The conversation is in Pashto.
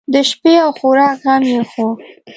د شپې او خوراک غم یې خوړ.